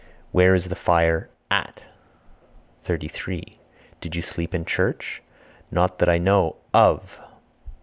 Where is the fire (at)? 33. Did you sleep in church? Not that I know (of).